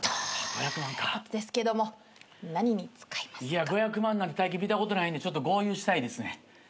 いや５００万なんて大金見たことないんで豪遊したいです。